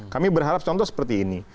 kami berharap contoh seperti ini